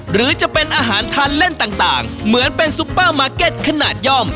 หรือจะเป็นอาหารทานเล่นต่างเหมือนเป็นซุปเปอร์มาร์เก็ตขนาดย่อม